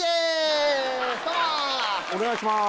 お願いします。